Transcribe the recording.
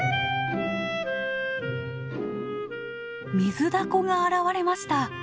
ミズダコが現れました。